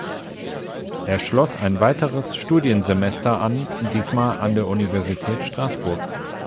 Er schloss ein weiteres Studiensemester an, diesmal an der Universität Straßburg.